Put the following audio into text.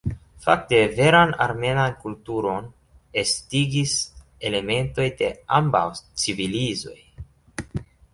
Fakte veran armenan kulturon estigis elementoj de ambaŭ civilizoj.